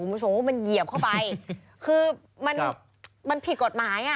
ผมมาชมว่ามันเหยียบเข้าไปคือมันผิดกฎหมาย